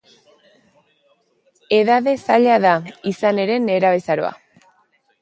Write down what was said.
Edade zaila da, izan ere, nerabezaroa.